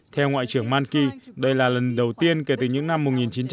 theo ngoại trưởng maliki đây là lần đầu tiên kể từ những năm một nghìn chín trăm tám mươi